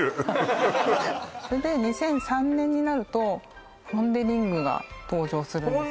はいそれで２００３年になるとポン・デ・リングが登場するんです